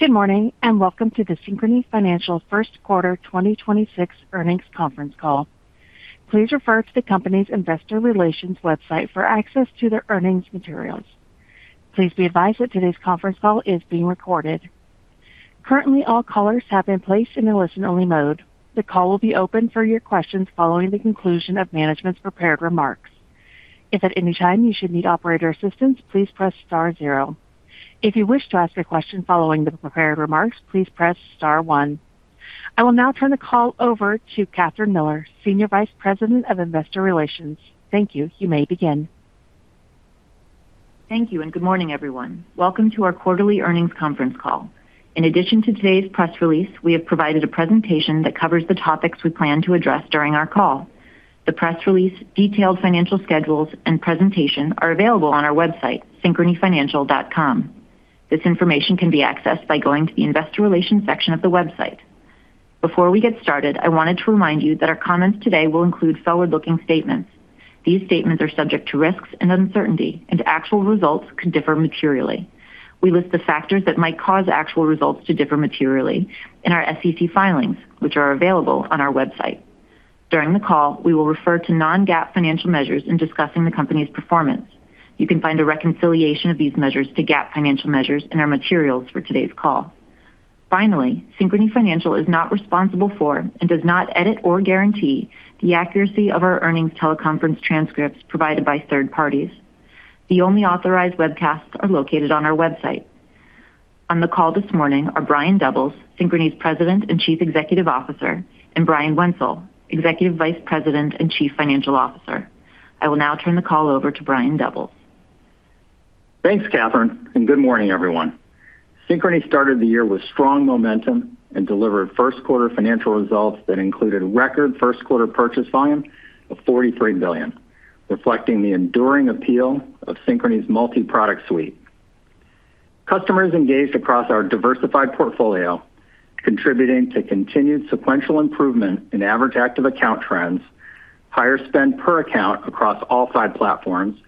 Good morning, and welcome to the Synchrony Financial first quarter 2026 earnings conference call. Please refer to the company's investor relations website for access to their earnings materials. Please be advised that today's conference call is being recorded. Currently, all callers have been placed in a listen-only mode. The call will be open for your questions following the conclusion of management's prepared remarks. If at any time you should need operator assistance, please press star zero. If you wish to ask a question following the prepared remarks, please press star one. I will now turn the call over to Kathryn Miller, Senior Vice President of Investor Relations. Thank you. You may begin. Thank you, and good morning, everyone. Welcome to our quarterly earnings conference call. In addition to today's press release, we have provided a presentation that covers the topics we plan to address during our call. The press release, detailed financial schedules, and presentation are available on our website, synchronyfinancial.com. This information can be accessed by going to the investor relations section of the website. Before we get started, I wanted to remind you that our comments today will include forward-looking statements. These statements are subject to risks and uncertainty, and actual results could differ materially. We list the factors that might cause actual results to differ materially in our SEC filings, which are available on our website. During the call, we will refer to non-GAAP financial measures in discussing the company's performance. You can find a reconciliation of these measures to GAAP financial measures in our materials for today's call. Finally, Synchrony Financial is not responsible for and does not edit or guarantee the accuracy of our earnings teleconference transcripts provided by third parties. The only authorized webcasts are located on our website. On the call this morning are Brian Doubles, Synchrony's President and Chief Executive Officer, and Brian Wenzel, Executive Vice President and Chief Financial Officer. I will now turn the call over to Brian Doubles. Thanks, Kathryn, and good morning, everyone. Synchrony started the year with strong momentum and delivered first quarter financial results that included record first quarter purchase volume of $43 billion, reflecting the enduring appeal of Synchrony's multi-product suite. Customers engaged across our diversified portfolio, contributing to continued sequential improvement in average active account trends, higher spend per account across all five platforms,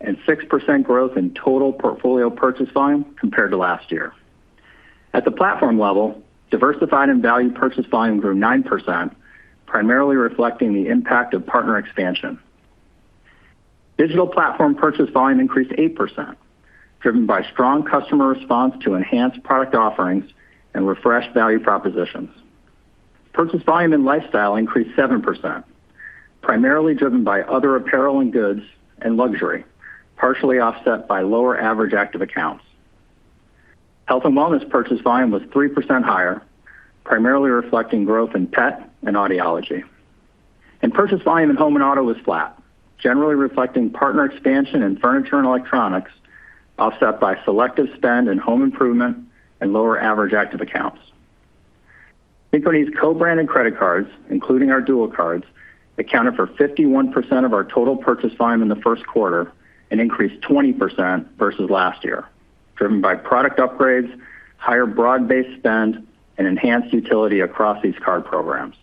and 6% growth in total portfolio purchase volume compared to last year. At the platform level, Diversified & Value purchase volume grew 9%, primarily reflecting the impact of partner expansion. Digital platform purchase volume increased 8%, driven by strong customer response to enhanced product offerings and refreshed value propositions. Home & Lifestyle purchase volume increased 7%, primarily driven by other apparel and goods and luxury, partially offset by lower average active accounts. Health and Wellness purchase volume was 3% higher, primarily reflecting growth in pet and audiology. Purchase volume in home and auto was flat, generally reflecting partner expansion in furniture and electronics, offset by selective spend in home improvement and lower average active accounts. Synchrony's co-branded credit cards, including our Dual Cards, accounted for 51% of our total purchase volume in the first quarter and increased 20% versus last year, driven by product upgrades, higher broad-based spend, and enhanced utility across these card programs.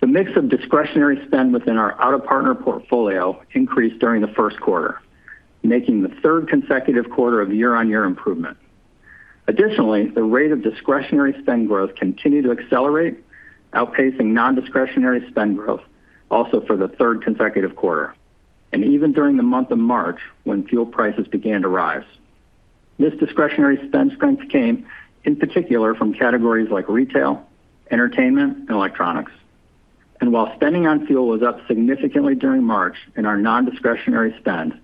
The mix of discretionary spend within our out-of-partner portfolio increased during the first quarter, making the third consecutive quarter of year-on-year improvement. Additionally, the rate of discretionary spend growth continued to accelerate, outpacing non-discretionary spend growth also for the third consecutive quarter, and even during the month of March, when fuel prices began to rise. This discretionary spend strength came in particular from categories like retail, entertainment, and electronics. While spending on fuel was up significantly during March in our non-discretionary spend,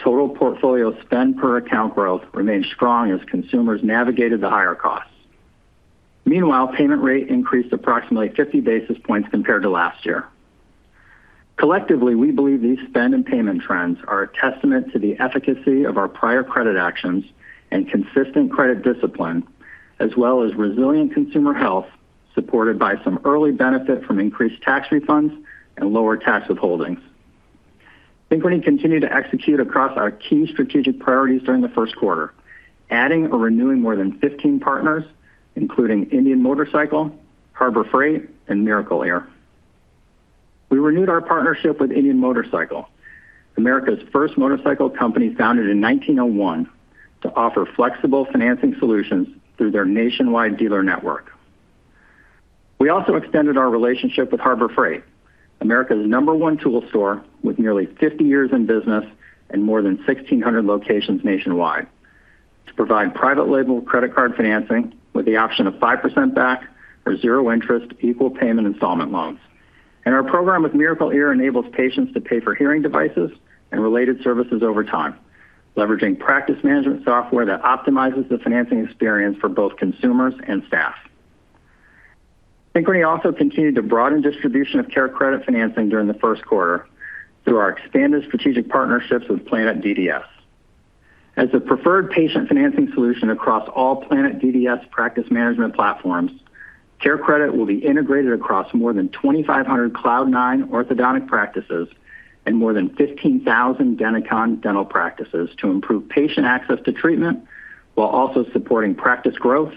total portfolio spend per account growth remained strong as consumers navigated the higher costs. Meanwhile, payment rate increased approximately 50 basis points compared to last year. Collectively, we believe these spend and payment trends are a testament to the efficacy of our prior credit actions and consistent credit discipline, as well as resilient consumer health, supported by some early benefit from increased tax refunds and lower tax withholdings. Synchrony continued to execute across our key strategic priorities during the first quarter, adding or renewing more than 15 partners, including Indian Motorcycle, Harbor Freight, and Miracle-Ear. We renewed our partnership with Indian Motorcycle, America's first motorcycle company founded in 1901, to offer flexible financing solutions through their nationwide dealer network. We also extended our relationship with Harbor Freight, America's number one tool store with nearly 50 years in business and more than 1,600 locations nationwide, to provide private label credit card financing with the option of 5% back or zero interest equal payment installment loans. Our program with Miracle-Ear enables patients to pay for hearing devices and related services over time, leveraging practice management software that optimizes the financing experience for both consumers and staff. Synchrony also continued to broaden distribution of CareCredit financing during the first quarter through our expanded strategic partnerships with Planet DDS. As a preferred patient financing solution across all Planet DDS practice management platforms, CareCredit will be integrated across more than 2,500 Cloud 9 orthodontic practices and more than 15,000 Denticon dental practices to improve patient access to treatment while also supporting practice growth,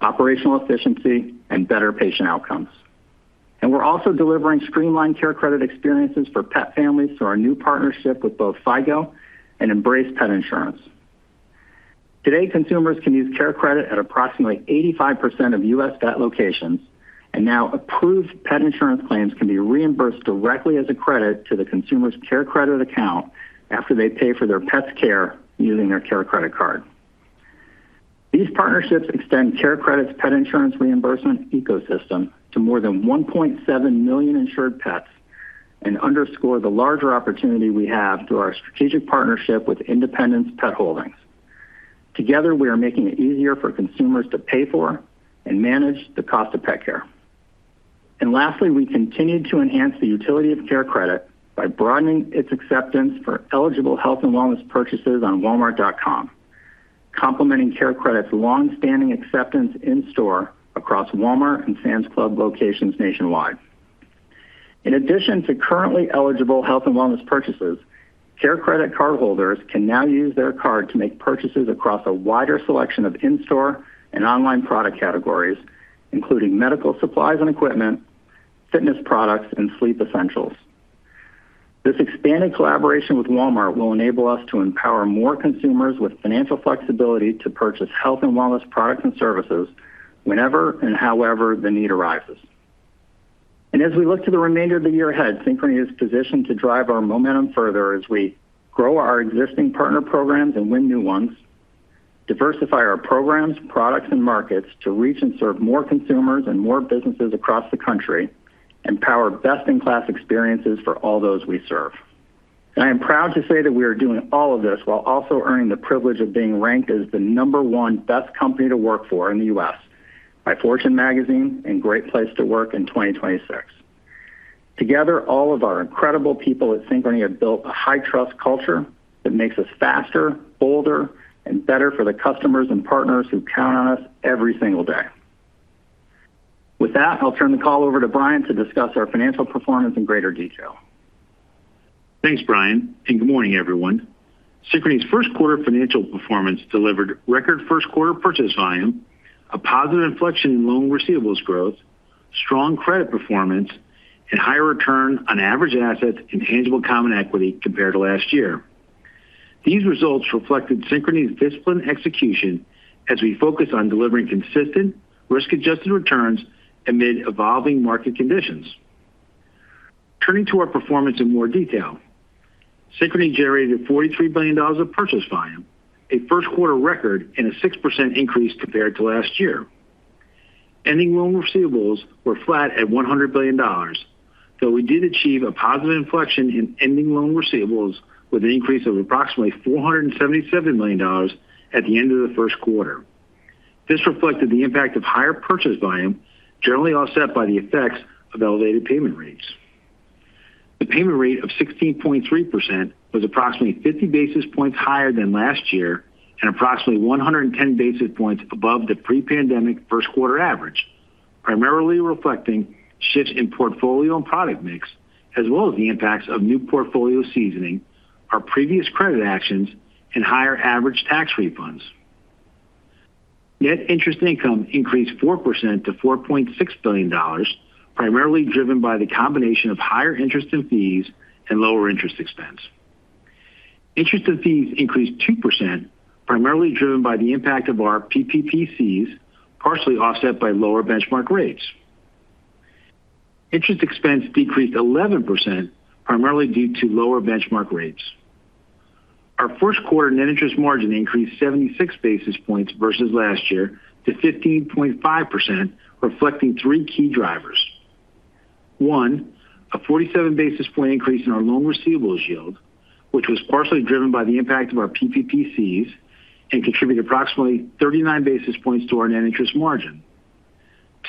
operational efficiency, and better patient outcomes. We're also delivering streamlined CareCredit experiences for pet families through our new partnership with both Figo and Embrace Pet Insurance. Today, consumers can use CareCredit at approximately 85% of U.S. vet locations, and now approved pet insurance claims can be reimbursed directly as a credit to the consumer's CareCredit account after they pay for their pet's care using their CareCredit card. These partnerships extend CareCredit's pet insurance reimbursement ecosystem to more than 1.7 million insured pets and underscore the larger opportunity we have through our strategic partnership with Independence Pet Holdings. Together, we are making it easier for consumers to pay for and manage the cost of pet care. Lastly, we continue to enhance the utility of CareCredit by broadening its acceptance for eligible health and wellness purchases on walmart.com, complementing CareCredit's long-standing acceptance in-store across Walmart and Sam's Club locations nationwide. In addition to currently eligible health and wellness purchases, CareCredit cardholders can now use their card to make purchases across a wider selection of in-store and online product categories, including medical supplies and equipment, fitness products, and sleep essentials. This expanded collaboration with Walmart will enable us to empower more consumers with financial flexibility to purchase health and wellness products and services whenever and however the need arises. As we look to the remainder of the year ahead, Synchrony is positioned to drive our momentum further as we grow our existing partner programs and win new ones, diversify our programs, products, and markets to reach and serve more consumers and more businesses across the country, and power best-in-class experiences for all those we serve. I am proud to say that we are doing all of this while also earning the privilege of being ranked as the number one best company to work for in the U.S. by Fortune magazine and Great Place to Work in 2026. Together, all of our incredible people at Synchrony have built a high-trust culture that makes us faster, bolder, and better for the customers and partners who count on us every single day. With that, I'll turn the call over to Brian to discuss our financial performance in greater detail. Thanks, Brian, and good morning, everyone. Synchrony's first quarter financial performance delivered record first quarter purchase volume, a positive inflection in loan receivables growth, strong credit performance, and higher return on average assets and tangible common equity compared to last year. These results reflected Synchrony's disciplined execution as we focus on delivering consistent risk-adjusted returns amid evolving market conditions. Turning to our performance in more detail. Synchrony generated $43 billion of purchase volume, a first quarter record and a 6% increase compared to last year. Ending loan receivables were flat at $100 billion, though we did achieve a positive inflection in ending loan receivables with an increase of approximately $477 million at the end of the first quarter. This reflected the impact of higher purchase volume, generally offset by the effects of elevated payment rates. The payment rate of 16.3% was approximately 50 basis points higher than last year, and approximately 110 basis points above the pre-pandemic first quarter average, primarily reflecting shifts in portfolio and product mix as well as the impacts of new portfolio seasoning, our previous credit actions, and higher average tax refunds. Net interest income increased 4% to $4.6 billion, primarily driven by the combination of higher interest and fees and lower interest expense. Interest and fees increased 2%, primarily driven by the impact of our PPPCs, partially offset by lower benchmark rates. Interest expense decreased 11%, primarily due to lower benchmark rates. Our first quarter net interest margin increased 76 basis points versus last year to 15.5%, reflecting three key drivers. One, a 47 basis points increase in our loan receivables yield, which was partially driven by the impact of our PPPCs and contributed approximately 39 basis points to our net interest margin.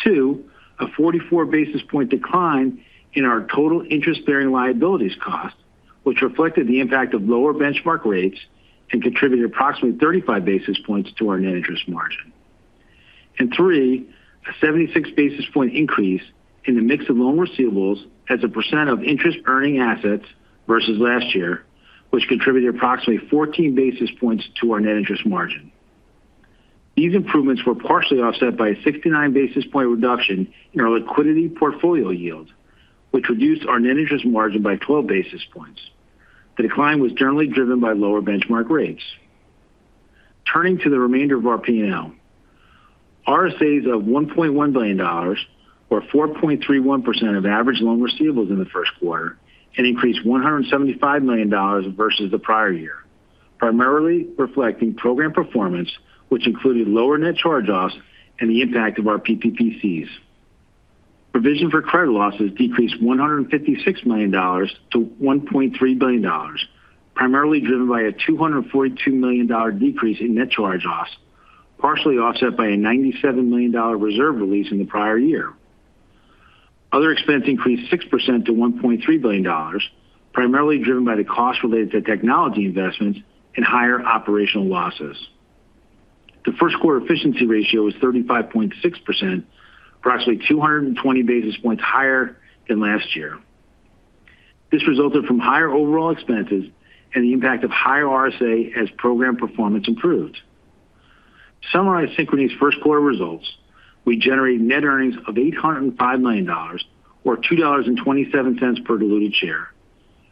Two, a 44 basis points decline in our total interest-bearing liabilities cost, which reflected the impact of lower benchmark rates and contributed approximately 35 basis points to our net interest margin. Three, a 76 basis points increase in the mix of loan receivables as a percent of interest-earning assets versus last year, which contributed approximately 14 basis points to our net interest margin. These improvements were partially offset by a 69 basis points reduction in our liquidity portfolio yield, which reduced our net interest margin by 12 basis points. The decline was generally driven by lower benchmark rates. Turning to the remainder of our P&L. RSAs of $1.1 billion or 4.31% of average loan receivables in the first quarter had increased $175 million versus the prior year, primarily reflecting program performance, which included lower net charge-offs and the impact of our PPPCs. Provision for credit losses decreased $156 million to $1.3 billion, primarily driven by a $242 million decrease in net charge-offs, partially offset by a $97 million reserve release in the prior year. Other expense increased 6% to $1.3 billion, primarily driven by the costs related to technology investments and higher operational losses. The first quarter efficiency ratio was 35.6%, approximately 220 basis points higher than last year. This resulted from higher overall expenses and the impact of higher RSA as program performance improved. To summarize Synchrony's first quarter results, we generate net earnings of $805 million or $2.27 per diluted share.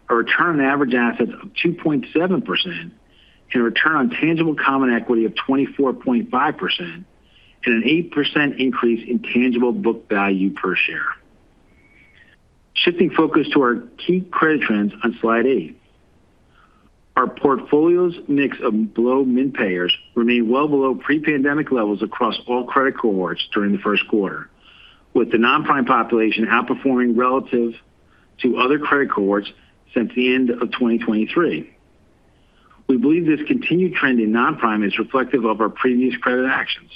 A return on average assets of 2.7% and a return on tangible common equity of 24.5%, and an 8% increase in tangible book value per share. Shifting focus to our key credit trends on slide eight. Our portfolio's mix of below minimum payers remained well below pre-pandemic levels across all credit cohorts during the first quarter, with the non-prime population outperforming relative to other credit cohorts since the end of 2023. We believe this continued trend in non-prime is reflective of our previous credit actions.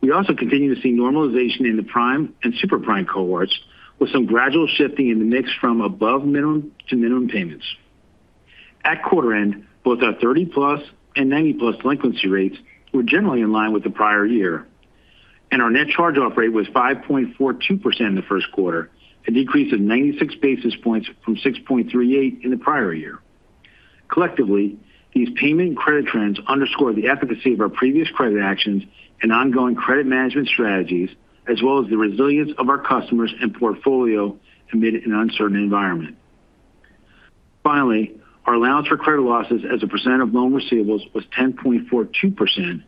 We also continue to see normalization in the prime and super-prime cohorts with some gradual shifting in the mix from above minimum to minimum payments. At quarter end, both our 30+ and 90+ delinquency rates were generally in line with the prior year, and our net charge-off rate was 5.42% in the first quarter, a decrease of 96 basis points from 6.38% in the prior year. Collectively, these payment and credit trends underscore the efficacy of our previous credit actions and ongoing credit management strategies, as well as the resilience of our customers and portfolio amid an uncertain environment. Finally, our allowance for credit losses as a percent of loan receivables was 10.42%,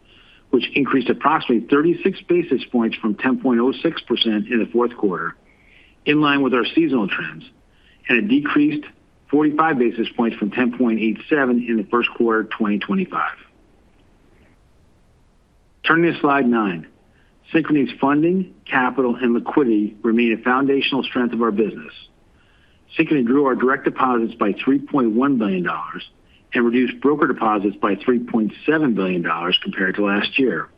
which increased approximately 36 basis points from 10.06% in the fourth quarter, in line with our seasonal trends, and it decreased 45 basis points from 10.87% in the first quarter of 2025. Turning to slide nine. Synchrony's funding, capital, and liquidity remain a foundational strength of our business. Synchrony grew our direct deposits by $3.1 billion and reduced broker deposits by $3.7 billion compared to last year.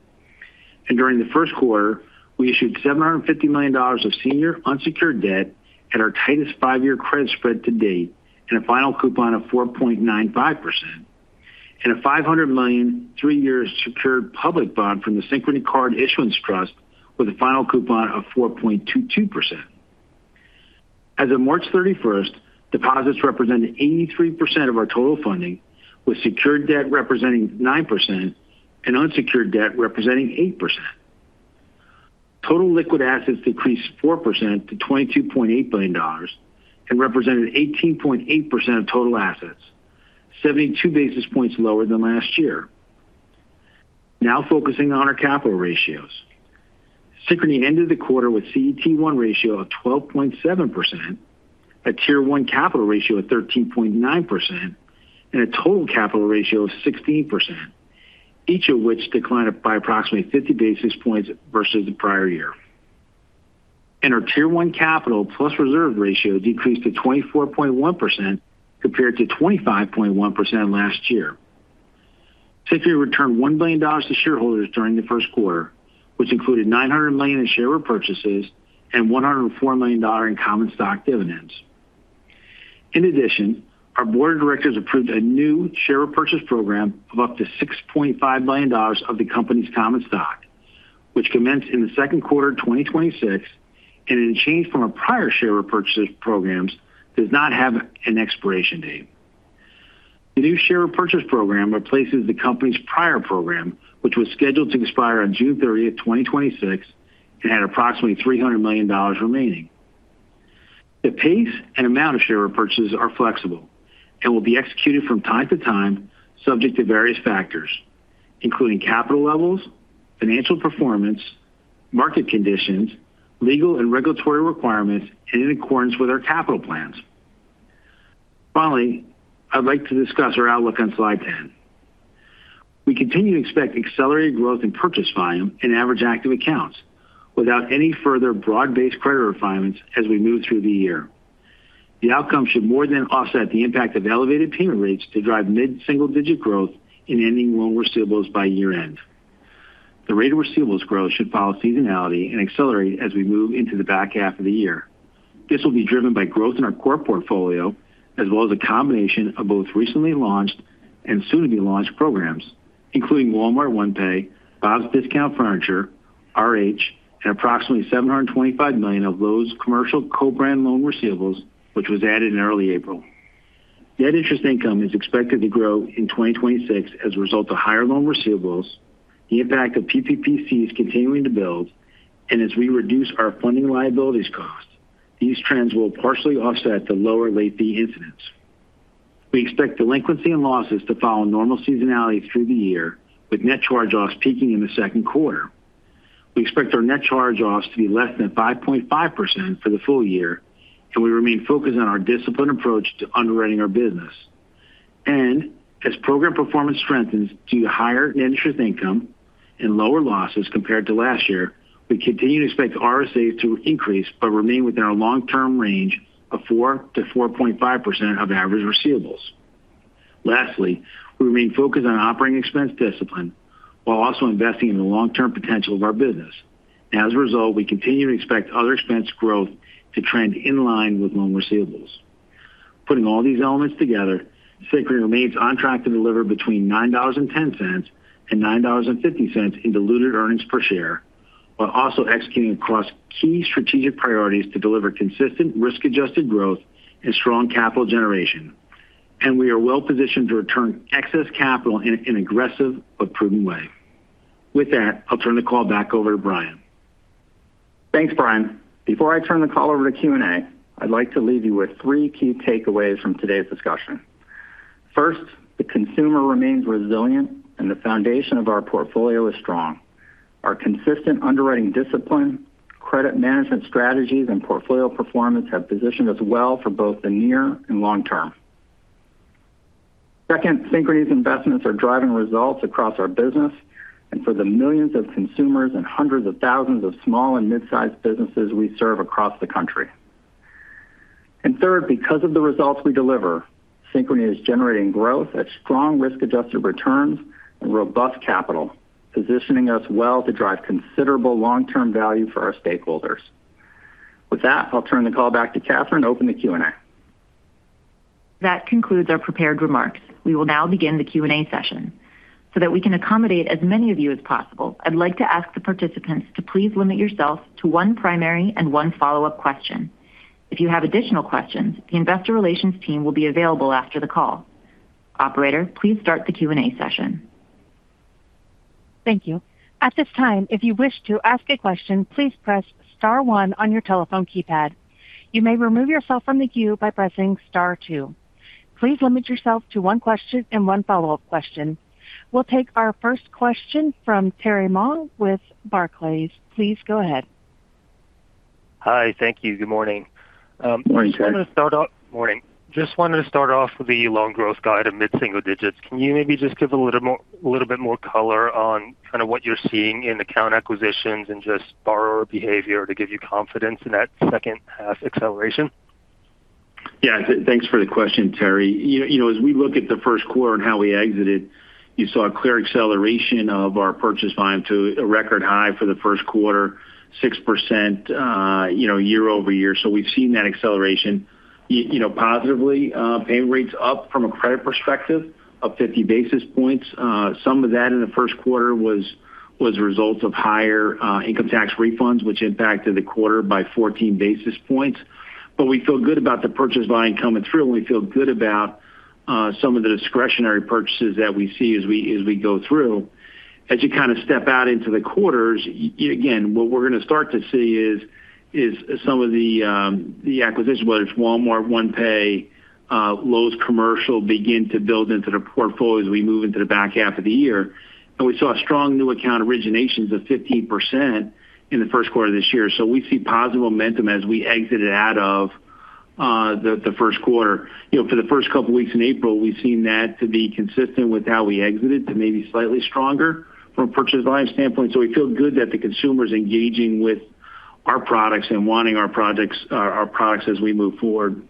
During the first quarter, we issued $750 million of senior unsecured debt at our tightest five-year credit spread to date, and a final coupon of 4.95%, and a $500 million three-year secured public bond from the Synchrony Card Issuance Trust with a final coupon of 4.22%. As of March 31st, deposits represented 83% of our total funding, with secured debt representing 9% and unsecured debt representing 8%. Total liquid assets decreased 4% to $22.8 billion and represented 18.8% of total assets, 72 basis points lower than last year. Now focusing on our capital ratios. Synchrony ended the quarter with CET1 ratio of 12.7%, a Tier one capital ratio of 13.9%, and a total capital ratio of 16%, each of which declined by approximately 50 basis points versus the prior year. Our Tier one capital plus reserve ratio decreased to 24.1% compared to 25.1% last year. Synchrony returned $1 billion to shareholders during the first quarter, which included $900 million in share repurchases and $104 million in common stock dividends. In addition, our Board of Directors approved a new share repurchase program of up to $6.5 billion of the company's common stock, which commenced in the second quarter of 2026, and, in a change from our prior share repurchase programs, does not have an expiration date. The new share repurchase program replaces the company's prior program, which was scheduled to expire on June 30th, 2026, and had approximately $300 million remaining. The pace and amount of share repurchases are flexible and will be executed from time to time subject to various factors, including capital levels, financial performance, market conditions, legal and regulatory requirements, and in accordance with our capital plans. Finally, I'd like to discuss our outlook on slide 10. We continue to expect accelerated growth in purchase volume and average active accounts without any further broad-based credit refinements as we move through the year. The outcome should more than offset the impact of elevated payment rates to drive mid-single-digit growth in ending loan receivables by year-end. The rate of receivables growth should follow seasonality and accelerate as we move into the back half of the year. This will be driven by growth in our core portfolio as well as a combination of both recently launched and soon to be launched programs, including Walmart OnePay, Bob's Discount Furniture, RH, and approximately $725 million of Lowe's commercial co-branded loan receivables, which was added in early April. Net interest income is expected to grow in 2026 as a result of higher loan receivables, the impact of PPPC fees continuing to build, and as we reduce our funding liabilities costs. These trends will partially offset the lower late fee incidence. We expect delinquency and losses to follow normal seasonality through the year, with net charge-offs peaking in the second quarter. We expect our net charge-offs to be less than 5.5% for the full year, and we remain focused on our disciplined approach to underwriting our business. As program performance strengthens due to higher net interest income and lower losses compared to last year, we continue to expect RSAs to increase but remain within our long-term range of 4%-4.5% of average receivables. Lastly, we remain focused on operating expense discipline while also investing in the long-term potential of our business. As a result, we continue to expect other expense growth to trend in line with loan receivables. Putting all these elements together, Synchrony remains on track to deliver between $9.10 and $9.50 in diluted earnings per share, while also executing across key strategic priorities to deliver consistent risk-adjusted growth and strong capital generation. We are well-positioned to return excess capital in an aggressive but prudent way. With that, I'll turn the call back over to Brian. Thanks, Brian. Before I turn the call over to Q&A, I'd like to leave you with three key takeaways from today's discussion. First, the consumer remains resilient, and the foundation of our portfolio is strong. Our consistent underwriting discipline, credit management strategies, and portfolio performance have positioned us well for both the near and long term. Second, Synchrony's investments are driving results across our business and for the millions of consumers and hundreds of thousands of small and mid-sized businesses we serve across the country. Third, because of the results we deliver, Synchrony is generating growth at strong risk-adjusted returns and robust capital, positioning us well to drive considerable long-term value for our stakeholders. With that, I'll turn the call back to Kathryn to open the Q&A. That concludes our prepared remarks. We will now begin the Q&A session. That we can accommodate as many of you as possible, I'd like to ask the participants to please limit yourself to one primary and one follow-up question. If you have additional questions, the investor relations team will be available after the call. Operator, please start the Q&A session. Thank you. At this time, if you wish to ask a question, please press star one on your telephone keypad. You may remove yourself from the queue by pressing star two. Please limit yourself to one question and one follow-up question. We'll take our first question from Terry Ma with Barclays. Please go ahead. Hi. Thank you. Good morning. Morning, Terry. Morning. Just wanted to start off with the loan growth guide of mid-single digit. Can you maybe just give a little bit more color on kind of what you're seeing in account acquisitions and just borrower behavior to give you confidence in that second half acceleration? Yeah, thanks for the question, Terry. As we look at the first quarter and how we exited, you saw a clear acceleration of our purchase volume to a record high for the first quarter, 6% year-over-year. We've seen that acceleration positively. Pay rates up from a credit perspective, up 50 basis points. Some of that in the first quarter was a result of higher income-tax refunds, which impacted the quarter by 14 basis points. We feel good about the purchase volume coming through, and we feel good about some of the discretionary purchases that we see as we go through. As you kind of step out into the quarters, again, what we're going to start to see is some of the acquisition, whether it's Walmart OnePay, Lowe's commercial, begin to build into the portfolio as we move into the back half of the year. We saw strong new account originations of 15% in the first quarter of this year. We see positive momentum as we exited out of the first quarter. For the first couple of weeks in April, we've seen that to be consistent with how we exited to maybe slightly stronger from a purchase volume standpoint. We feel good that the consumer's engaging with our products and wanting our products as we move forward.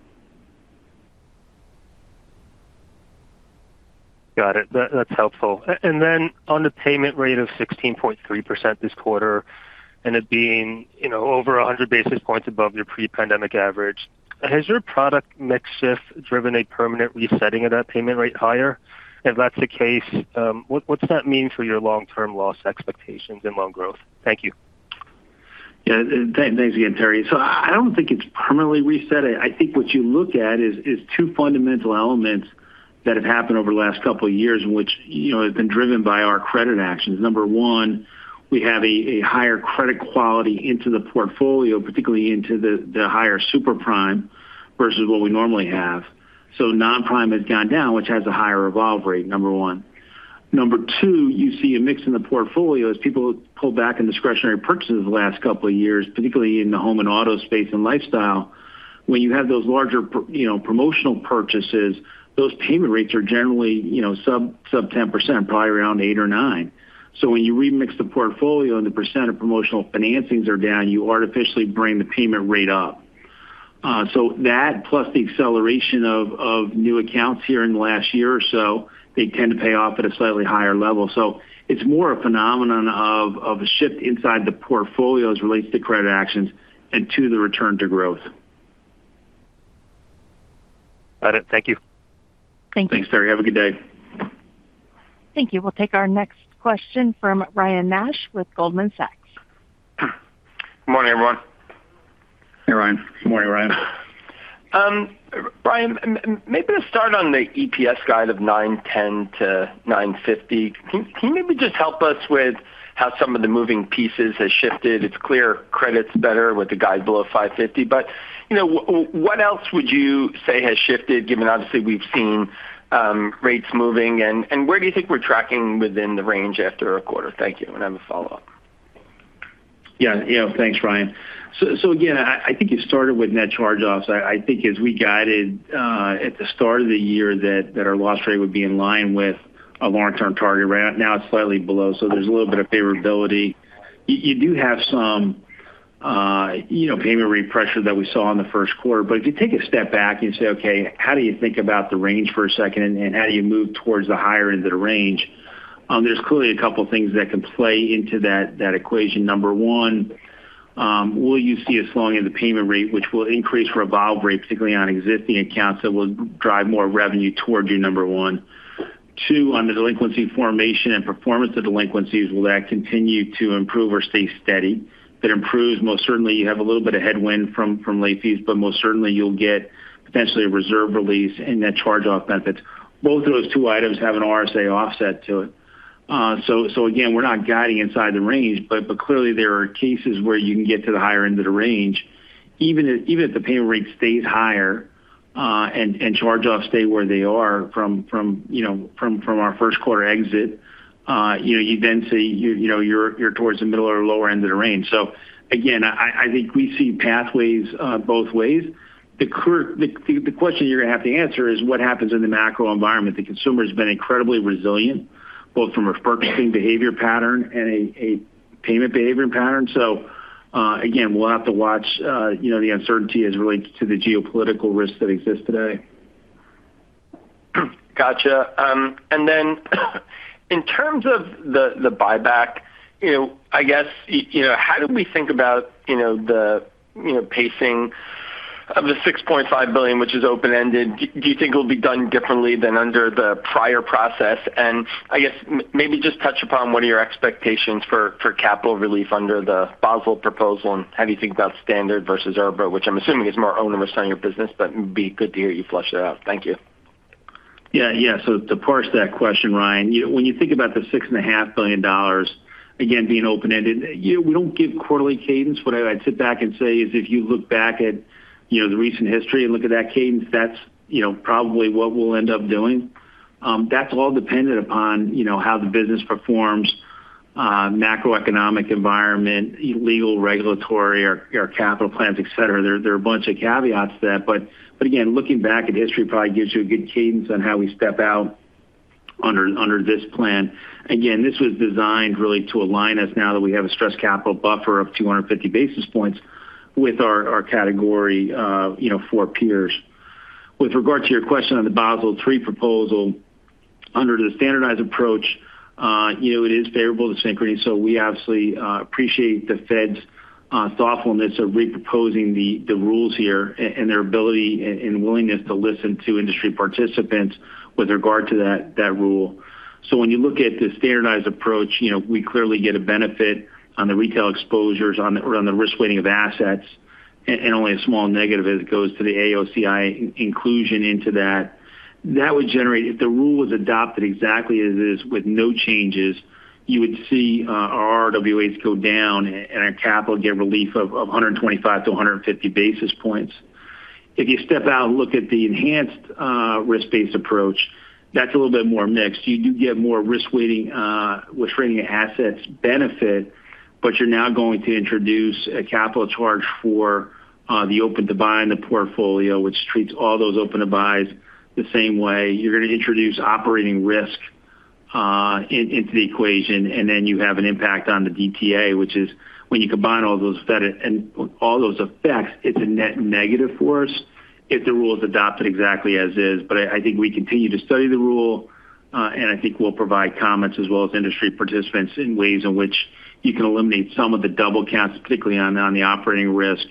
Got it. That's helpful. Then on the payment rate of 16.3% this quarter, and it being over 100 basis points above your pre-pandemic average, has your product mix shift driven a permanent resetting of that payment rate higher? If that's the case, what's that mean for your long-term loss expectations and loan growth? Thank you. Yeah. Thanks again, Terry. I don't think it's permanently reset. I think what you look at is two fundamental elements that have happened over the last couple of years in which has been driven by our credit actions. Number one, we have a higher credit quality into the portfolio, particularly into the higher super prime versus what we normally have. Non-prime has gone down, which has a higher revolve rate, number one. Number two, you see a mix in the portfolio as people pulled back on discretionary purchases the last couple of years, particularly in the home and auto space and lifestyle. When you have those larger promotional purchases, those payment rates are generally sub-10%, probably around 8% or 9%. When you remix the portfolio and the percent of promotional financings are down, you artificially bring the payment rate up. That plus the acceleration of new accounts here in the last year or so, they tend to pay off at a slightly higher level. It's more a phenomenon of a shift inside the portfolio as it relates to credit actions and to the return to growth. Got it. Thank you. Thank you. Thanks, Terry. Have a good day. Thank you. We'll take our next question from Ryan Nash with Goldman Sachs. Good morning, everyone. Hey, Ryan. Good morning, Ryan. Brian, maybe to start on the EPS guide of $9.10-$9.50, can you maybe just help us with how some of the moving pieces have shifted? It's clear credit's better with the guide below 5.50%. What else would you say has shifted given obviously we've seen rates moving, and where do you think we're tracking within the range after a quarter? Thank you. And I have a follow-up. Yeah. Thanks, Ryan. Again, I think it started with net charge-offs. I think as we guided at the start of the year that our loss rate would be in line with a long-term target. Right now it's slightly below, so there's a little bit of favorability. You do have some payment rate pressure that we saw in the first quarter. If you take a step back and you say, okay, how do you think about the range for a second, and how do you move towards the higher end of the range? There's clearly a couple of things that can play into that equation. Number one, will you see a slowing of the payment rate, which will increase revolve rate, particularly on existing accounts that will drive more revenue towards you, number one. Two, on the delinquency formation and performance of delinquencies, will that continue to improve or stay steady? If it improves, most certainly you have a little bit of headwind from late fees, but most certainly you'll get potentially a reserve release and net charge-off metrics. Both of those two items have an RSA offset to it. Again, we're not guiding inside the range. Clearly, there are cases where you can get to the higher end of the range, even if the payment rate stays higher, and charge-offs stay where they are from our first quarter exit. You then say you're towards the middle or lower end of the range. Again, I think we see pathways both ways. The question you're going to have to answer is what happens in the macro environment. The consumer's been incredibly resilient, both from a purchasing behavior pattern and a payment behavior pattern. Again, we'll have to watch the uncertainty as it relates to the geopolitical risks that exist today. Got you. Then in terms of the buyback, I guess how do we think about the pacing of the $6.5 billion, which is open-ended? Do you think it'll be done differently than under the prior process? I guess maybe just touch upon what are your expectations for capital relief under the Basel proposal, and how do you think about standard versus ERBA, which I'm assuming is more onerous on your business, but it'd be good to hear you flesh that out. Thank you. Yeah. To parse that question, Ryan, when you think about the $6.5 billion, again, being open-ended, we don't give quarterly cadence. What I'd sit back and say is if you look back at the recent history and look at that cadence, that's probably what we'll end up doing. That's all dependent upon how the business performs, macroeconomic environment, legal, regulatory or capital plans, et cetera. There are a bunch of caveats to that. Again, looking back at history probably gives you a good cadence on how we step out under this plan. Again, this was designed really to align us now that we have a stress capital buffer of 250 basis points with our Category IV peers. With regard to your question on the Basel III proposal, under the standardized approach, it is favorable to Synchrony, so we obviously appreciate the Fed's thoughtfulness of re-proposing the rules here and their ability and willingness to listen to industry participants with regard to that rule. When you look at the standardized approach, we clearly get a benefit on the retail exposures or on the risk-weighting of assets, and only a small negative as it goes to the AOCI inclusion into that. If the rule was adopted exactly as is with no changes, you would see our RWAs go down and our capital get relief of 125 basis points-150 basis points. If you step out and look at the enhanced risk-based approach, that's a little bit more mixed. You do get more risk-weighting with rated assets benefit, but you're now going to introduce a capital charge for the open-to-buy in the portfolio, which treats all those open-to-buys the same way. You're going to introduce operational risk into the equation, and then you have an impact on the DTA, which is when you combine all those effects, it's a net negative for us if the rule is adopted exactly as is. I think we continue to study the rule, and I think we'll provide comments as well as industry participants in ways in which you can eliminate some of the double-counts, particularly on the operational risk,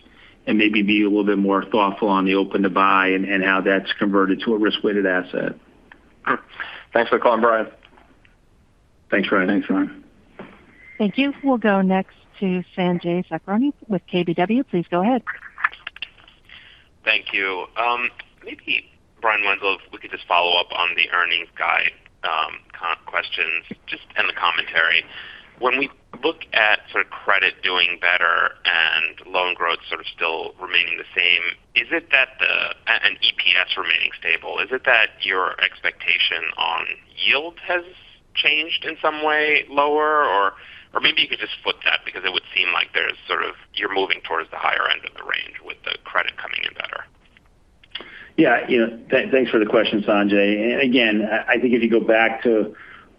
and maybe be a little bit more thoughtful on the open-to-buy and how that's converted to a risk-weighted asset. Thanks for the color, Brian. Thanks, Ryan. Thanks, Ryan. Thank you. We'll go next to Sanjay Sakhrani with KBW. Please go ahead. Thank you. Maybe, Brian Wenzel, if we could just follow up on the earnings guide questions and the commentary. When we look at credit doing better and loan growth sort of still remaining the same, and EPS remaining stable, is it that your expectation on yield has changed in some way lower? Or maybe you could just flip that because it would seem like you're moving towards the higher end of the range with the credit coming in better. Yeah. Thanks for the question, Sanjay. Again, I think if you go back to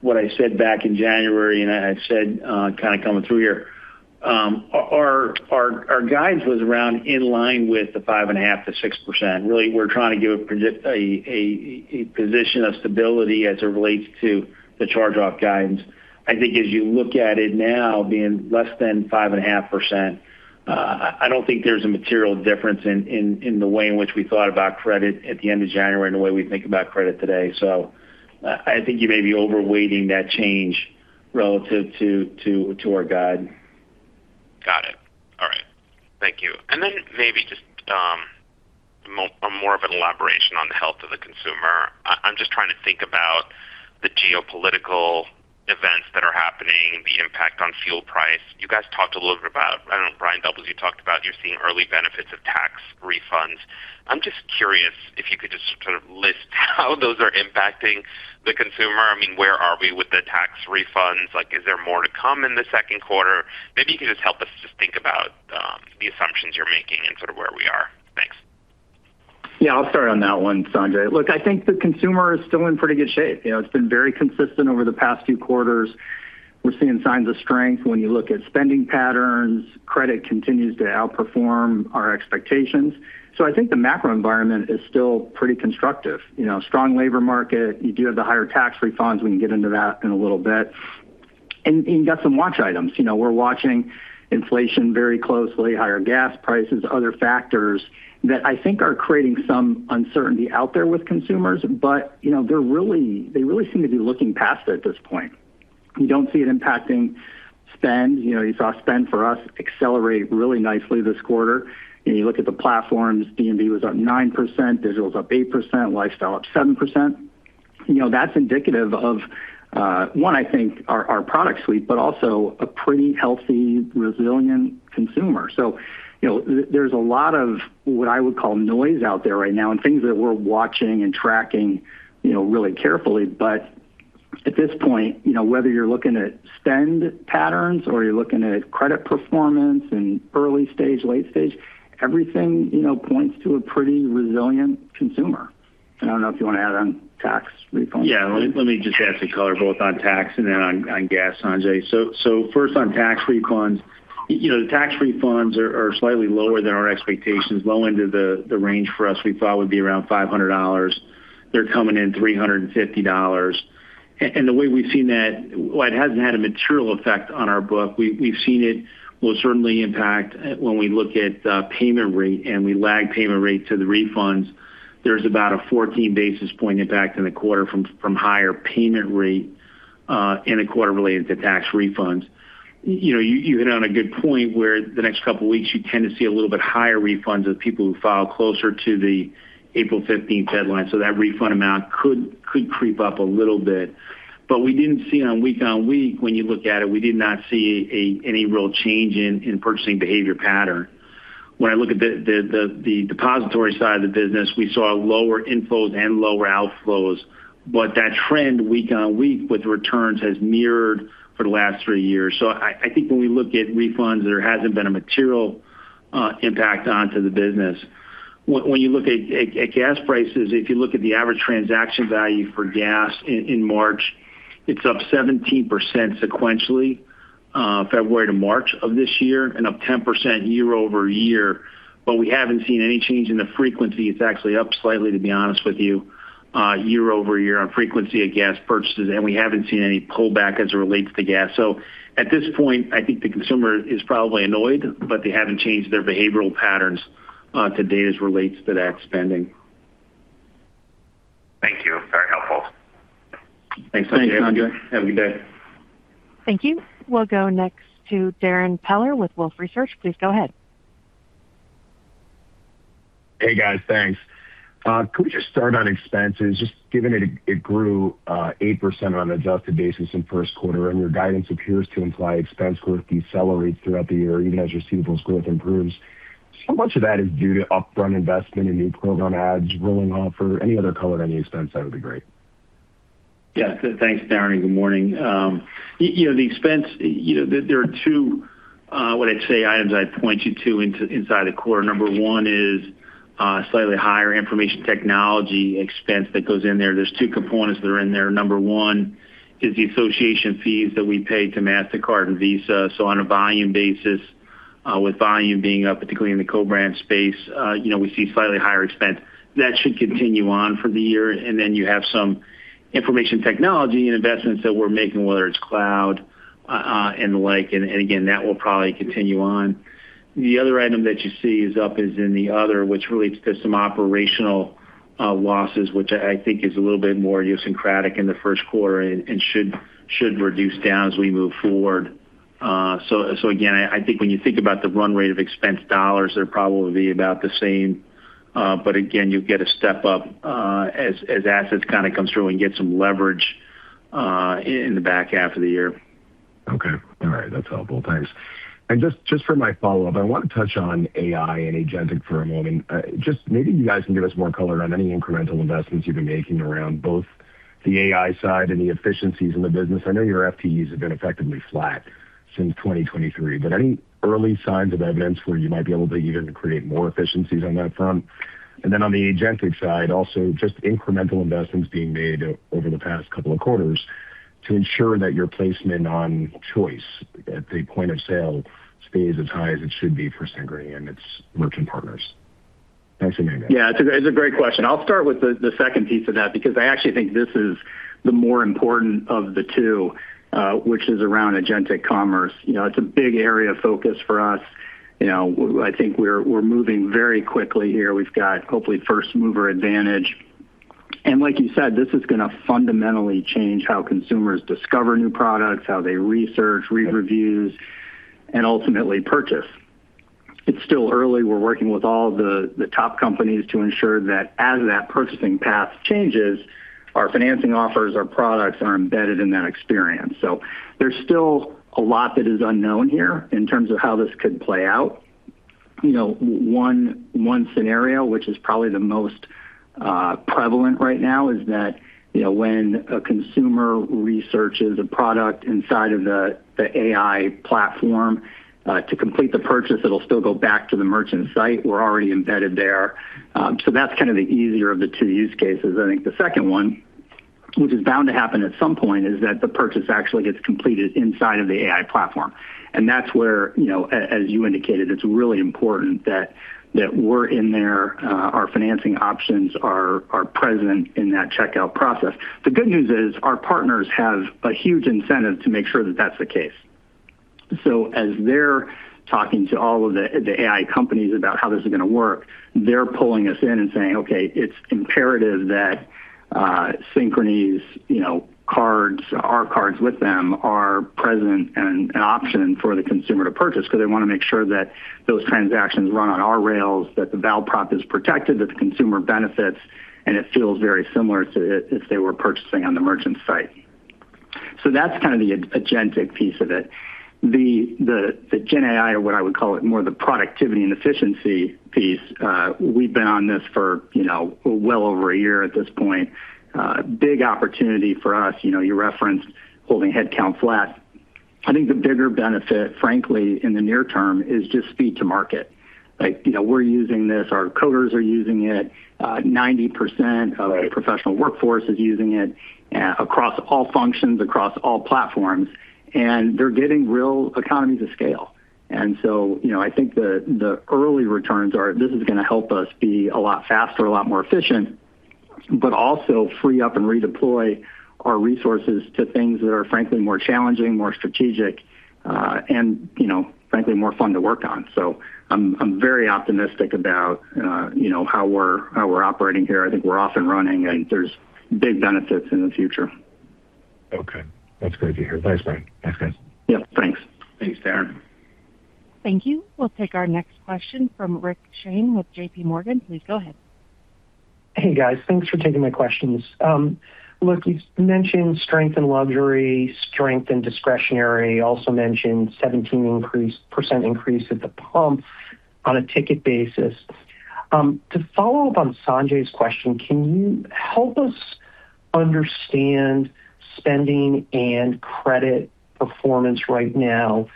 what I said back in January, and I had said kind of coming through here, our guides was around in line with the 5.5%-6%. Really, we're trying to give a position of stability as it relates to the charge-off guidance. I think as you look at it now being less than 5.5%, I don't think there's a material difference in the way in which we thought about credit at the end of January and the way we think about credit today. I think you may be overweighting that change relative to our guide. Got it. All right. Thank you. Then maybe just more of an elaboration on the health of the consumer. I'm just trying to think about the geopolitical events that are happening, the impact on fuel price. You guys talked a little bit about, I know Brian Doubles, you talked about you're seeing early benefits of tax refunds. I'm just curious if you could just sort of list how those are impacting the consumer. I mean, where are we with the tax refunds? Is there more to come in the second quarter? Maybe you could just help us just think about the assumptions you're making and sort of where we are. Thanks. Yeah, I'll start on that one, Sanjay. Look, I think the consumer is still in pretty good shape. It's been very consistent over the past few quarters. We're seeing signs of strength when you look at spending patterns. Credit continues to outperform our expectations. I think the macro environment is still pretty constructive. Strong labor market. You do have the higher tax refunds. We can get into that in a little bit. You've got some watch items. We're watching inflation very closely, higher gas prices, other factors that I think are creating some uncertainty out there with consumers, but they really seem to be looking past it at this point. We don't see it impacting spend. You saw spend for us accelerate really nicely this quarter. You look at the platforms, D&V was up 9%, digital was up 8%, lifestyle up 7%. That's indicative of, one, I think our product suite, but also a pretty healthy, resilient consumer. There's a lot of what I would call noise out there right now and things that we're watching and tracking really carefully, but at this point, whether you're looking at spend patterns or you're looking at credit performance and early stage, late stage, everything points to a pretty resilient consumer. I don't know if you want to add on tax refunds. Yeah. Let me just add some color both on tax and then on gas, Sanjay. First on tax refunds. The tax refunds are slightly lower than our expectations. Low end of the range for us we thought would be around $500. They're coming in $350. The way we've seen that, while it hasn't had a material effect on our book, we've seen it will certainly impact when we look at payment rate and we lag payment rate to the refunds. There's about a 14 basis points impact in the quarter from higher payment rate in a quarter related to tax refunds. You hit on a good point where the next couple of weeks you tend to see a little bit higher refunds of people who file closer to the April 15th deadline. That refund amount could creep up a little bit. We didn't see on week-on-week, when you look at it, we did not see any real change in purchasing behavior pattern. When I look at the depository side of the business, we saw lower inflows and lower outflows, but that trend week-on-week with returns has mirrored for the last three years. I think when we look at refunds, there hasn't been a material impact onto the business. When you look at gas prices, if you look at the average transaction value for gas in March, it's up 17% sequentially, February to March of this year, and up 10% year-over-year, but we haven't seen any change in the frequency. It's actually up slightly, to be honest with you, year-over-year on frequency of gas purchases, and we haven't seen any pullback as it relates to gas. At this point, I think the consumer is probably annoyed, but they haven't changed their behavioral patterns to date as it relates to that spending. Thank you. Very helpful. Thanks, Sanjay. Thanks, Sanjay. Have a good day. Thank you. We'll go next to Darrin Peller with Wolfe Research. Please go ahead. Hey, guys. Thanks. Could we just start on expenses, just given it grew 8% on an adjusted basis in first quarter, and your guidance appears to imply expense growth decelerates throughout the year even as receivables growth improves? How much of that is due to upfront investment in new program adds rolling off or any other color on the expense side would be great. Yeah. Thanks, Darrin. Good morning. The expense. There are two, what I'd say, items I'd point you to inside the quarter. Number one is slightly higher information technology expense that goes in there. There's two components that are in there. Number one is the association fees that we pay to Mastercard and Visa. So on a volume basis, with volume being up, particularly in the co-brand space, we see slightly higher expense. That should continue on for the year. You have some information technology and investments that we're making, whether it's cloud and the like, and again, that will probably continue on. The other item that you see is up is in the other, which relates to some operational losses, which I think is a little bit more idiosyncratic in the first quarter and should reduce down as we move forward. Again, I think when you think about the run rate of expense dollars, they're probably about the same. Again, you'll get a step up as assets kind of comes through and get some leverage in the back half of the year. Okay. All right. That's helpful. Thanks. Just for my follow-up, I want to touch on AI and agentic for a moment. Just maybe you guys can give us more color on any incremental investments you've been making around both the AI side and the efficiencies in the business. I know your FTEs have been effectively flat since 2023, but any early signs of evidence where you might be able to either create more efficiencies on that front? Then on the agentic side, also just incremental investments being made over the past couple of quarters to ensure that your placement on choice at the point of sale stays as high as it should be for Synchrony and its looking partners. Thanks again, guys. Yeah. It's a great question. I'll start with the second piece of that because I actually think this is the more important of the two, which is around agentic commerce. It's a big area of focus for us. I think we're moving very quickly here. We've got, hopefully, first-mover advantage. And like you said, this is going to fundamentally change how consumers discover new products, how they research, read reviews, and ultimately purchase. It's still early. We're working with all the top companies to ensure that as that purchasing path changes, our financing offers, our products are embedded in that experience. There's still a lot that is unknown here in terms of how this could play out. One scenario, which is probably the most prevalent right now, is that when a consumer researches a product inside of the AI platform to complete the purchase, it'll still go back to the merchant site. We're already embedded there. That's kind of the easier of the two use cases. I think the second one, which is bound to happen at some point, is that the purchase actually gets completed inside of the AI platform. That's where, as you indicated, it's really important that we're in there, our financing options are present in that checkout process. The good news is our partners have a huge incentive to make sure that that's the case. As they're talking to all of the AI companies about how this is going to work, they're pulling us in and saying, "Okay, it's imperative that Synchrony's cards, our cards with them, are present and an option for the consumer to purchase," because they want to make sure that those transactions run on our rails, that the val prop is protected, that the consumer benefits, and it feels very similar to if they were purchasing on the merchant site. That's kind of the agentic piece of it. The gen AI, or what I would call more the productivity and efficiency piece, we've been on this for well over a year at this point. Big opportunity for us. You referenced holding headcount flat. I think the bigger benefit, frankly, in the near term is just speed to market. We're using this, our coders are using it. 90% of the professional workforce is using it across all functions, across all platforms, and they're getting real economies of scale. I think the early returns are this is going to help us be a lot faster, a lot more efficient, but also free up and redeploy our resources to things that are frankly more challenging, more strategic, and frankly more fun to work on. I'm very optimistic about how we're operating here. I think we're off and running, and there's big benefits in the future. Okay, that's good to hear. Thanks, Brian. Thanks, guys. Yeah, thanks. Thanks, Darrin. Thank you. We'll take our next question from Rick Shane with JPMorgan. Please go ahead. Hey, guys. Thanks for taking my questions. Look, you mentioned strength in luxury, strength in discretionary, also mentioned 17% increase at the pump on a ticket basis. To follow up on Sanjay's question, can you help us understand spending and credit performance right now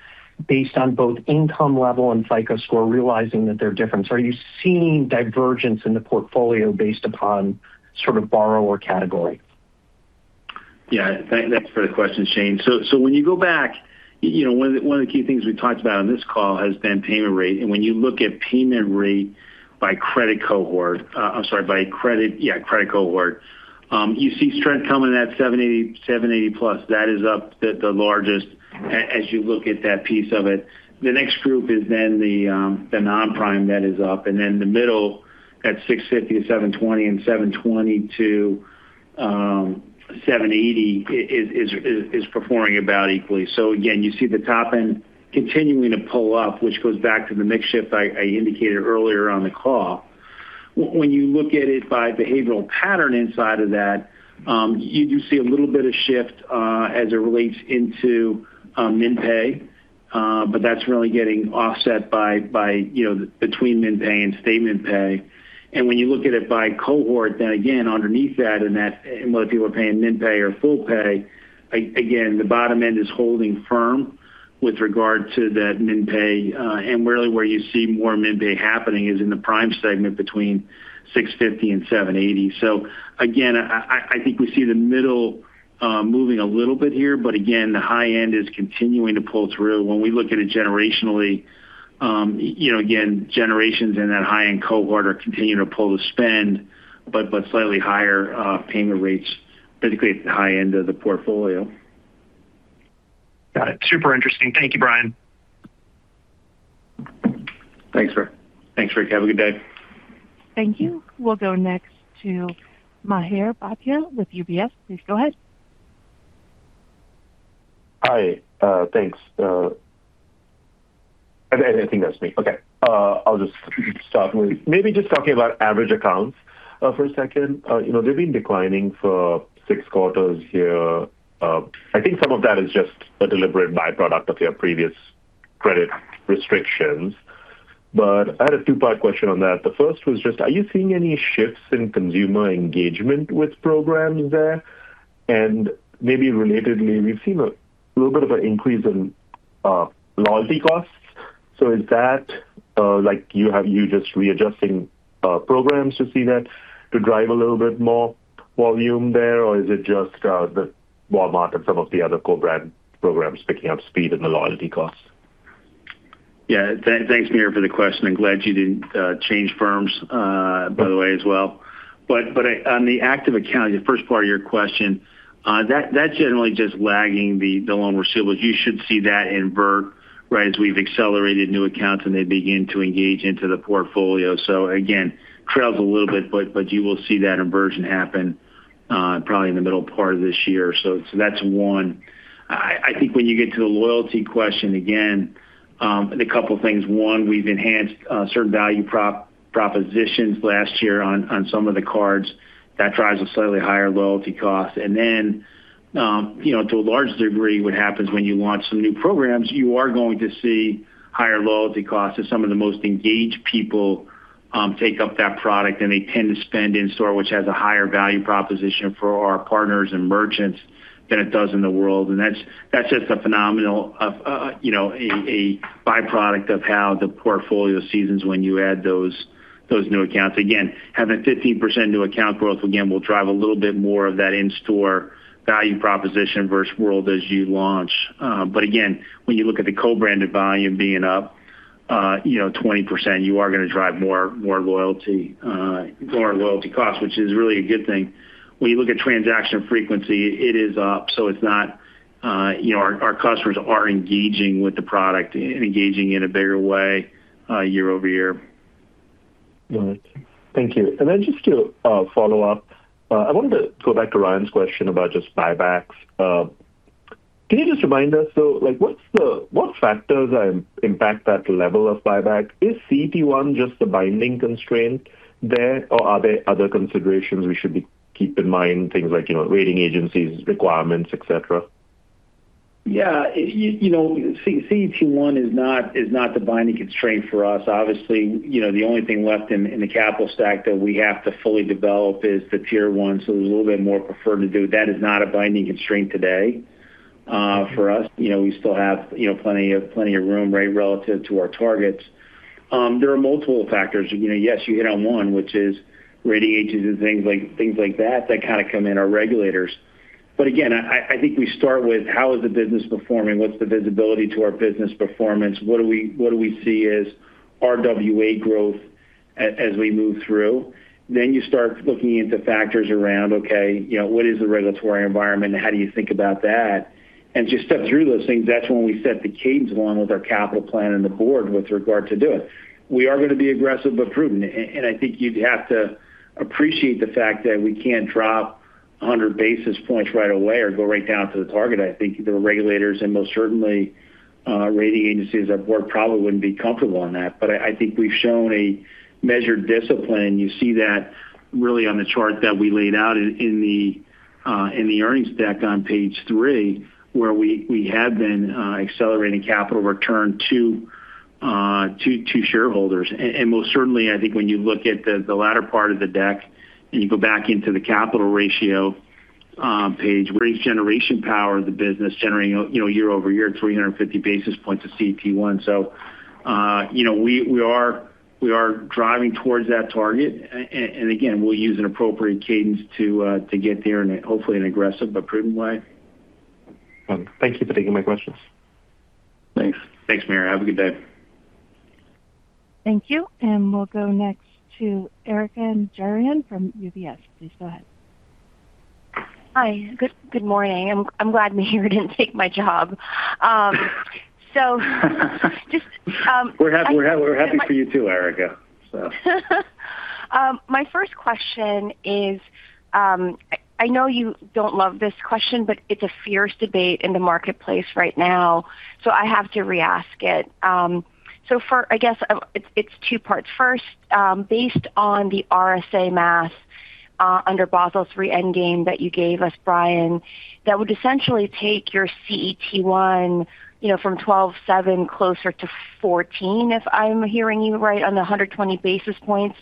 based on both income level and FICO score, realizing that they're different? Are you seeing divergence in the portfolio based upon sort of borrower category? Yeah. Thanks for the question, Shane. When you go back, one of the key things we've talked about on this call has been payment rate, and when you look at payment rate by credit cohort, you see strength coming at 780+. That is up the largest as you look at that piece of it. The next group is then the non-prime that is up, and then the middle at 650-720 and 720-780 is performing about equally. Again, you see the top end continuing to pull up, which goes back to the mix shift I indicated earlier on the call. When you look at it by behavioral pattern inside of that, you do see a little bit of shift as it relates to min pay, but that's really getting offset between min pay and statement pay. When you look at it by cohort, then again, underneath that, and whether people are paying min pay or full pay, again, the bottom end is holding firm with regard to that min pay. Really where you see more min pay happening is in the prime segment between 650 and 780. Again, I think we see the middle moving a little bit here, but again, the high end is continuing to pull through. When we look at it generationally, again, generations in that high-end cohort are continuing to pull the spend, but slightly higher payment rates, particularly at the high end of the portfolio. Got it. Super interesting. Thank you, Brian. Thanks, Rick. Thanks, Rick. Have a good day. Thank you. We'll go next to Mihir Bhatia with UBS. Please go ahead. Hi. Thanks. I think that's me. Okay. I'll just start maybe just talking about average accounts for a second. They've been declining for six quarters here. I think some of that is just a deliberate byproduct of your previous credit restrictions. I had a two-part question on that. The first was just, are you seeing any shifts in consumer engagement with programs there? Maybe relatedly, we've seen a little bit of an increase in loyalty costs. Is that you just readjusting programs to see that to drive a little bit more volume there, or is it just the Walmart and some of the other co-brand programs picking up speed in the loyalty costs? Yeah. Thanks, Mihir, for the question. I'm glad you didn't change firms, by the way, as well. On the active account, the first part of your question, that's generally just lagging the loan receivables. You should see that invert as we've accelerated new accounts, and they begin to engage into the portfolio. Again, trails a little bit, but you will see that inversion happen probably in the middle part of this year. That's one. I think when you get to the loyalty question, again, a couple of things. One, we've enhanced certain value propositions last year on some of the cards. That drives a slightly higher loyalty cost. To a large degree, what happens when you launch some new programs, you are going to see higher loyalty costs as some of the most engaged people take up that product, and they tend to spend in-store, which has a higher value proposition for our partners and merchants than it does in the world. That's just a phenomenal byproduct of how the portfolio seasons when you add those new accounts. Again, having 15% new account growth again will drive a little bit more of that in-store value proposition versus world as you launch. Again, when you look at the co-branded volume being up 20%, you are going to drive more loyalty costs, which is really a good thing. When you look at transaction frequency, it is up. Our customers are engaging with the product and engaging in a bigger way year-over-year. All right. Thank you. Just to follow up, I wanted to go back to Ryan's question about just buybacks. Can you just remind us, so what factors impact that level of buyback? Is CET1 just the binding constraint there, or are there other considerations we should keep in mind, things like rating agencies, requirements, et cetera? Yeah. CET1 is not the binding constraint for us. Obviously, the only thing left in the capital stack that we have to fully develop is the Tier one, so there's a little bit more preferred to do. That is not a binding constraint today for us. We still have plenty of room, right, relative to our targets. There are multiple factors. Yes, you hit on one, which is rating agencies and things like that that kind of come in, our regulators. But again, I think we start with how is the business performing? What's the visibility to our business performance? What do we see as RWA growth as we move through? Then you start looking into factors around, okay, what is the regulatory environment and how do you think about that? Just step through those things. That's when we set the cadence along with our capital plan and the board with regard to doing. We are going to be aggressive but prudent. I think you'd have to appreciate the fact that we can't drop 100 basis points right away or go right down to the target. I think the regulators and most certainly, rating agencies, our board probably wouldn't be comfortable on that. I think we've shown a measured discipline, and you see that really on the chart that we laid out in the earnings deck on page three, where we had been accelerating capital return to shareholders. Most certainly, I think when you look at the latter part of the deck, and you go back into the capital ratio page where each generation power the business generating year-over-year 350 basis points of CET1. We are driving towards that target. Again, we'll use an appropriate cadence to get there in a hopefully aggressive but prudent way. Well, thank you for taking my questions. Thanks. Thanks, Mihir. Have a good day. Thank you. We'll go next to Erika Najarian from UBS. Please go ahead. Hi. Good morning. I'm glad Mihir didn't take my job. We're happy for you too, Erika. My first question is, I know you don't love this question, but it's a fierce debate in the marketplace right now, I have to re-ask it. I guess it's two parts. First, based on the RSA math under Basel III Endgame that you gave us, Brian, that would essentially take your CET1 from 12.7% closer to 14%, if I'm hearing you right on the 120 basis points.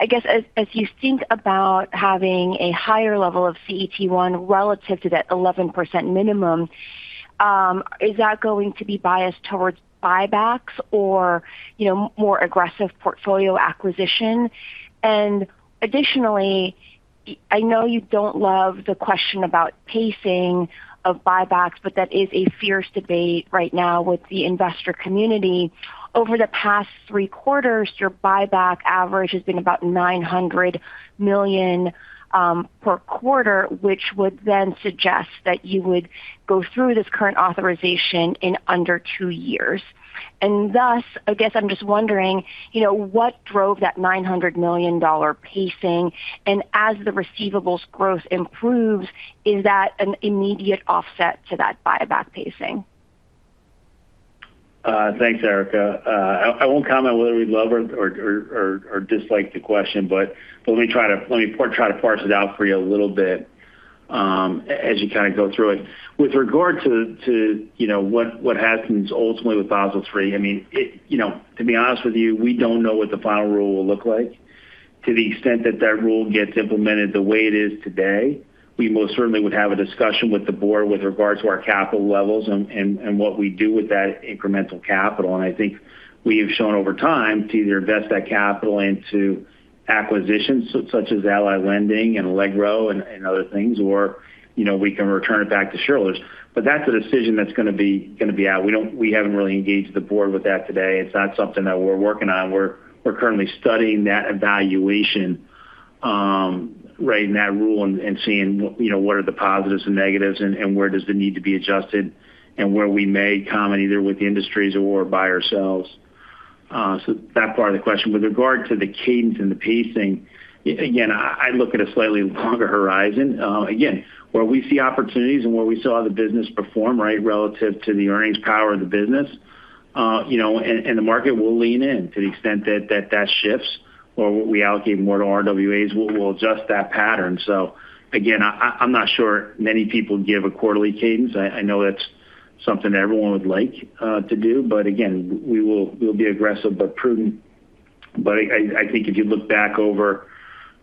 I guess as you think about having a higher level of CET1 relative to that 11% minimum, is that going to be biased towards buybacks or more aggressive portfolio acquisition? Additionally, I know you don't love the question about pacing of buybacks, but that is a fierce debate right now with the investor community. Over the past three quarters, your buyback average has been about $900 million per quarter, which would then suggest that you would go through this current authorization in under two years. Thus, I guess I'm just wondering, what drove that $900 million pacing? As the receivables growth improves, is that an immediate offset to that buyback pacing? Thanks, Erika. I won't comment whether we love or dislike the question, but let me try to parse it out for you a little bit as you kind of go through it. With regard to what happens ultimately with Basel III, to be honest with you, we don't know what the final rule will look like. To the extent that that rule gets implemented the way it is today, we most certainly would have a discussion with the board with regard to our capital levels and what we do with that incremental capital. I think we have shown over time to either invest that capital into acquisitions such as Ally Lending and Allegro and other things or we can return it back to shareholders. That's a decision that's going to be out. We haven't really engaged the board with that today. It's not something that we're working on. We're currently studying that evaluation right in that rule and seeing what are the positives and negatives and where does it need to be adjusted and where we may comment either with the industries or by ourselves. That part of the question. With regard to the cadence and the pacing, again, I look at a slightly longer horizon. Again, where we see opportunities and where we saw the business perform relative to the earnings power of the business. The market will lean in to the extent that that shifts or we allocate more to RWAs, we'll adjust that pattern. Again, I'm not sure many people give a quarterly cadence. I know that's something everyone would like to do. Again, we'll be aggressive but prudent. I think if you look back over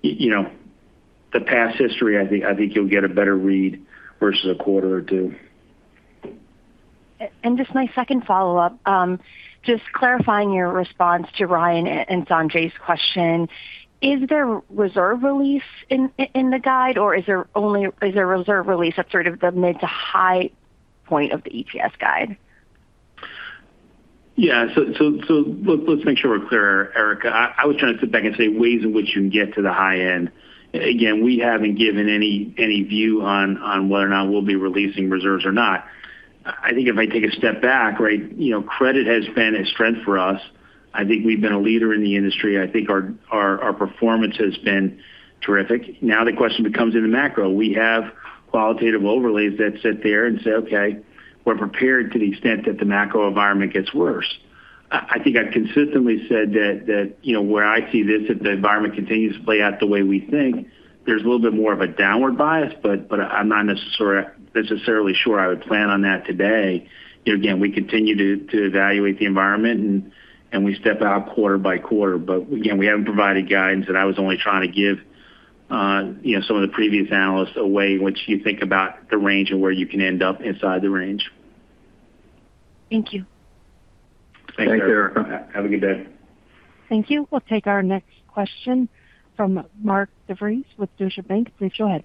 the past history, I think you'll get a better read versus a quarter or two. Just my second follow-up, just clarifying your response to Ryan and Sanjay's question. Is there reserve release in the guide, or is there reserve release that's sort of the mid-to-high point of the EPS guide? Yeah. Let's make sure we're clear, Erika. I was trying to sit back and say ways in which you can get to the high end. Again, we haven't given any view on whether or not we'll be releasing reserves or not. I think if I take a step back, credit has been a strength for us. I think we've been a leader in the industry. I think our performance has been terrific. Now the question becomes in the macro. We have qualitative overlays that sit there and say, "Okay, we're prepared to the extent that the macro environment gets worse." I think I've consistently said that where I see this, if the environment continues to play out the way we think, there's a little bit more of a downward bias, but I'm not necessarily sure I would plan on that today. Again, we continue to evaluate the environment and we step out quarter-by-quarter. Again, we haven't provided guidance, and I was only trying to give some of the previous analysts a way in which you think about the range and where you can end up inside the range. Thank you. Thanks, Erika. Have a good day. Thank you. We'll take our next question from Mark DeVries with Deutsche Bank. Please go ahead.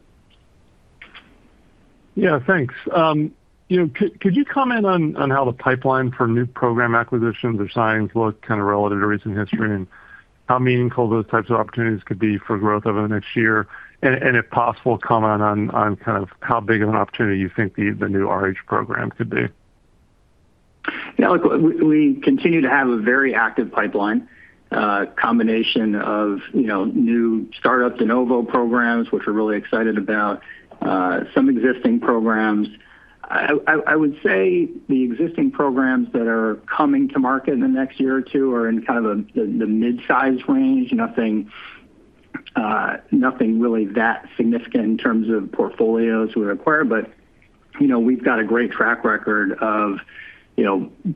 Yeah, thanks. Could you comment on how the pipeline for new program acquisitions or wins look kind of relative to recent history, and how meaningful those types of opportunities could be for growth over the next year? If possible, comment on kind of how big of an opportunity you think the new RH program could be. Yeah, look, we continue to have a very active pipeline. A combination of new startup de novo programs, which we're really excited about. Some existing programs. I would say the existing programs that are coming to market in the next year or two are in kind of the mid-size range. Nothing really that significant in terms of portfolios we acquire. But we've got a great track record of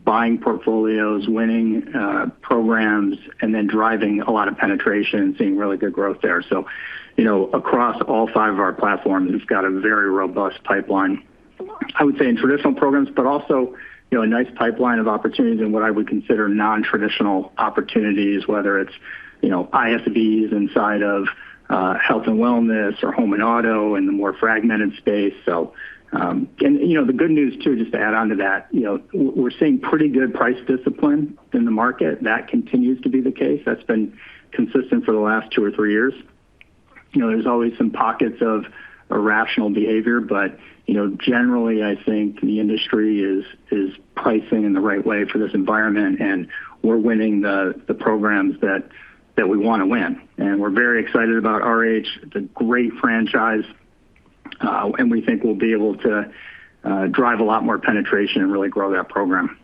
buying portfolios, winning programs, and then driving a lot of penetration and seeing really good growth there. Across all five of our platforms, it's got a very robust pipeline, I would say, in traditional programs, but also a nice pipeline of opportunities in what I would consider non-traditional opportunities, whether it's ISBs inside of health and wellness or home and auto in the more fragmented space. The good news, too, just to add on to that, we're seeing pretty good price discipline in the market. That continues to be the case. That's been consistent for the last two or three years. There's always some pockets of irrational behavior, but generally I think the industry is pricing in the right way for this environment and we're winning the programs that we want to win. We're very excited about RH. It's a great franchise. We think we'll be able to drive a lot more penetration and really grow that program.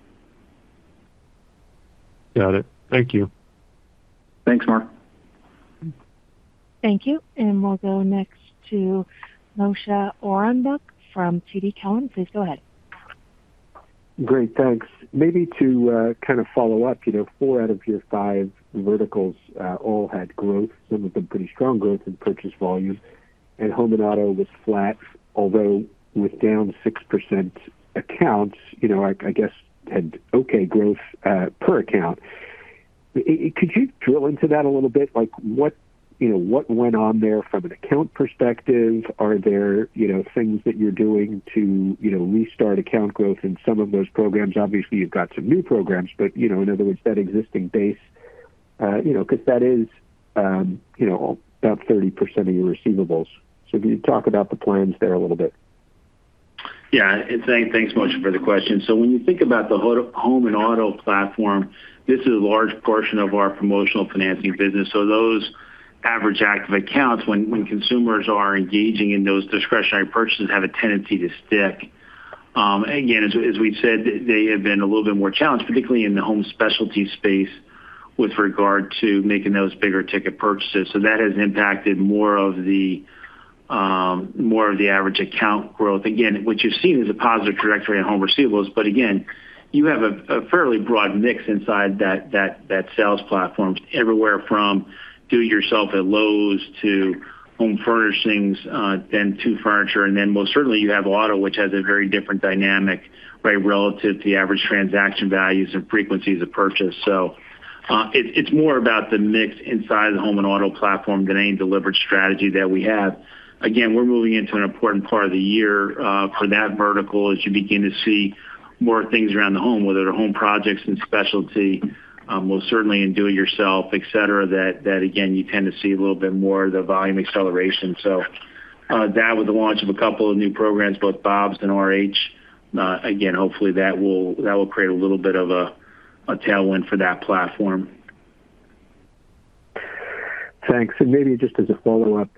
Got it. Thank you. Thanks, Mark. Thank you. We'll go next to Moshe Orenbuch from TD Cowen. Please go ahead. Great, thanks. Maybe to kind of follow up, four out of your five verticals all had growth, some of them pretty strong growth in purchase volume, and home and auto was flat, although with down 6% accounts, I guess had okay growth per account. Could you drill into that a little bit? What went on there from an account perspective? Are there things that you're doing to restart account growth in some of those programs? Obviously, you've got some new programs, but in other words, that existing base, because that is about 30% of your receivables. So if you could talk about the plans there a little bit. Yeah. Thanks, Moshe, for the question. When you think about the home and auto platform, this is a large portion of our promotional financing business. Those average active accounts, when consumers are engaging in those discretionary purchases, have a tendency to stick. Again, as we've said, they have been a little bit more challenged, particularly in the home specialty space with regard to making those bigger ticket purchases. That has impacted more of the average account growth. Again, what you've seen is a positive trajectory on home receivables, but again, you have a fairly broad mix inside that sales platform, everywhere from do-it-yourself at Lowe's to home furnishings then to furniture, and then most certainly you have auto, which has a very different dynamic relative to the average transaction values and frequencies of purchase. It's more about the mix inside the home and auto platform than any deliberate strategy that we have. Again, we're moving into an important part of the year for that vertical as you begin to see more things around the home, whether they're home projects and specialty, most certainly in do-it-yourself, et cetera, that again, you tend to see a little bit more of the volume acceleration. That with the launch of a couple of new programs, both Bob's and RH, again, hopefully that will create a little bit of a tailwind for that platform. Thanks. Maybe just as a follow-up,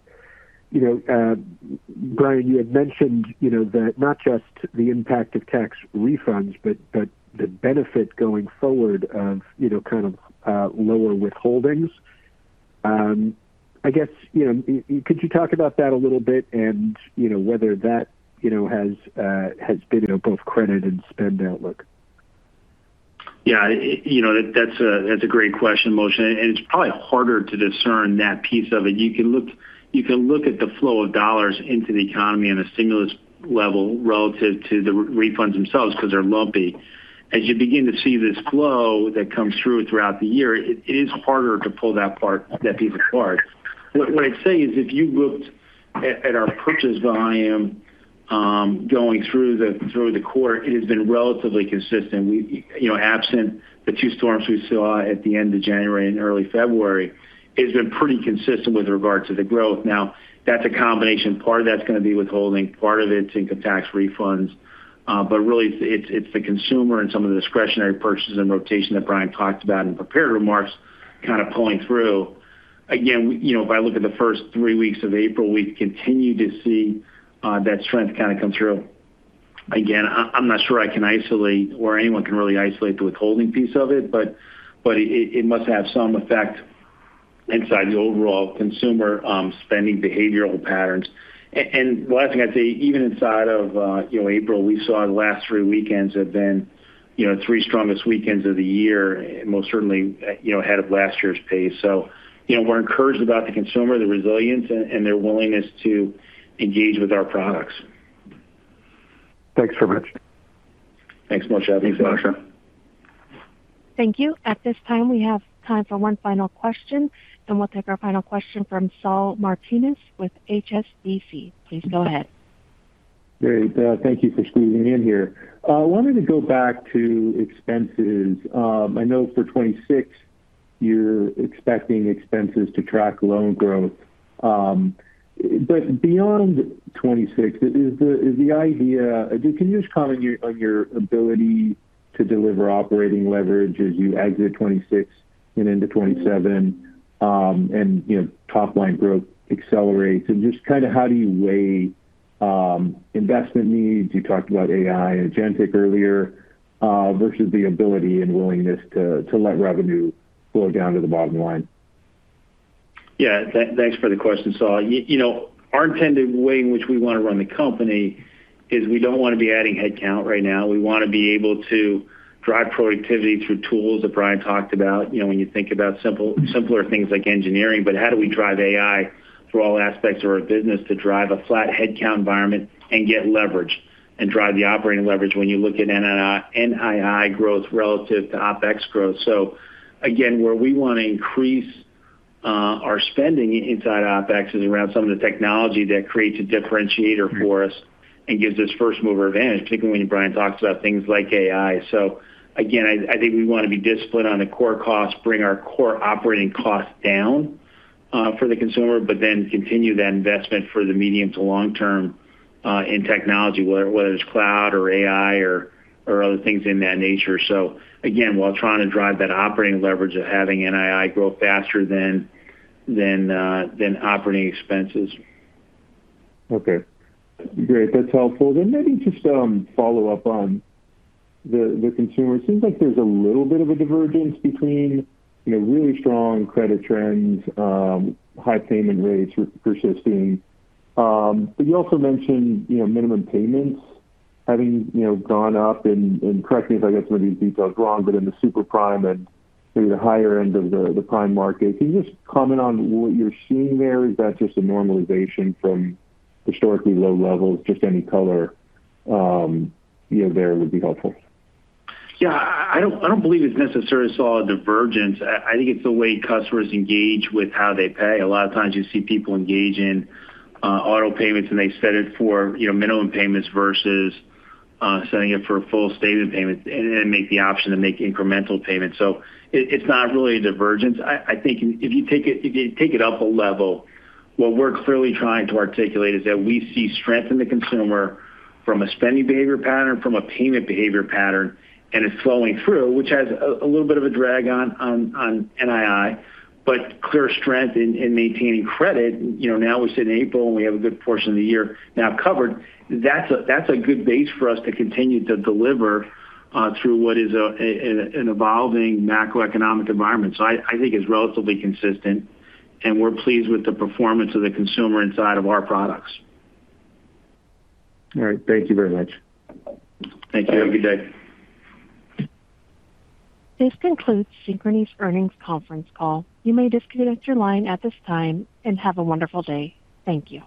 Brian, you had mentioned that not just the impact of tax refunds, but the benefit going forward of kind of lower withholdings. I guess, could you talk about that a little bit and whether that has been both credit and spend outlook? Yeah. That's a great question, Moshe, and it's probably harder to discern that piece of it. You can look at the flow of dollars into the economy on a stimulus level relative to the refunds themselves because they're lumpy. As you begin to see this flow that comes through throughout the year, it is harder to pull that piece apart. What I'd say is if you looked at our purchase volume going through the quarter, it has been relatively consistent. Absent the two storms we saw at the end of January and early February, it's been pretty consistent with regard to the growth. Now, that's a combination. Part of that's going to be withholding, part of it's income-tax refunds. Really, it's the consumer and some of the discretionary purchases and rotation that Brian talked about in prepared remarks kind of pulling through. Again, if I look at the first three weeks of April, we continue to see that trend kind of come through. Again, I'm not sure I can isolate or anyone can really isolate the withholding piece of it, but it must have some effect inside the overall consumer spending behavioral patterns. The last thing I'd say, even inside of April, we saw the last three weekends have been the three strongest weekends of the year, most certainly ahead of last year's pace. We're encouraged about the consumer, their resilience, and their willingness to engage with our products. Thanks so much. Thanks Moshe. Thanks, Moshe. Thank you. At this time, we have time for one final question, and we'll take our final question from Saul Martinez with HSBC. Please go ahead. Great. Thank you for squeezing me in here. I wanted to go back to expenses. I know for 2026, you're expecting expenses to track loan growth. Beyond 2026, can you just comment on your ability to deliver operating leverage as you exit 2026 and into 2027, and top-line growth accelerates? Just kind of how do you weigh investment needs, you talked about AI and agentic earlier, versus the ability and willingness to let revenue flow down to the bottom line? Yeah. Thanks for the question, Saul. Our intended way in which we want to run the company is we don't want to be adding headcount right now. We want to be able to drive productivity through tools that Brian talked about. When you think about simpler things like engineering, but how do we drive AI through all aspects of our business to drive a flat headcount environment and get leverage, and drive the operating leverage when you look at NII growth relative to OpEx growth. Again, where we want to increase our spending inside OpEx is around some of the technology that creates a differentiator for us and gives us first-mover advantage, particularly when Brian talks about things like AI. Again, I think we want to be disciplined on the core costs, bring our core operating costs down for the consumer, but then continue that investment for the medium to long term in technology, whether it's cloud or AI or other things in that nature, again while trying to drive that operating leverage of having NII grow faster than operating expenses. Okay. Great. That's helpful. Maybe just follow up on the consumer. It seems like there's a little bit of a divergence between really strong credit trends, high payment rates persisting. You also mentioned minimum payments having gone up and, correct me if I get some of these details wrong, but in the super prime and maybe the higher end of the prime market. Can you just comment on what you're seeing there? Is that just a normalization from historically low levels? Just any color there would be helpful. Yeah. I don't believe it's necessarily a divergence. I think it's the way customers engage with how they pay. A lot of times you see people engage in auto payments, and they set it for minimum payments versus setting it for a full stated payment and then make the option to make incremental payments. It's not really a divergence. I think if you take it up a level, what we're clearly trying to articulate is that we see strength in the consumer from a spending behavior pattern, from a payment behavior pattern, and it's flowing through, which has a little bit of a drag on NII, but clear strength in maintaining credit. Now we sit in April, and we have a good portion of the year now covered. That's a good base for us to continue to deliver through what is an evolving macroeconomic environment. I think it's relatively consistent, and we're pleased with the performance of the consumer inside of our products. All right. Thank you very much. Thank you. Have a good day. This concludes Synchrony's earnings conference call. You may disconnect your line at this time, and have a wonderful day. Thank you.